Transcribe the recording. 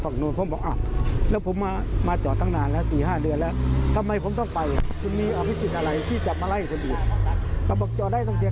ก็บอกว่าให้เจ้าหน้าที่เศรษฐกิจเนี่ย